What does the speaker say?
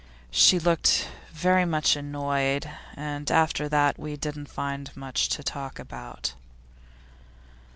She looked very much annoyed, and after that we didn't find much to talk about.